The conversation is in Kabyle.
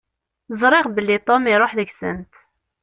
Ẓriɣ belli Tom iruḥ deg-sent.